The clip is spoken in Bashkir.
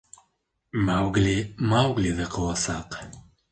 — Маугли Мауглиҙы ҡыуасаҡ.